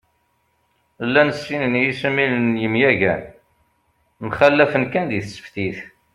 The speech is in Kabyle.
Llan sin n yesmilen n yemyagen, mxallafen kan di tseftit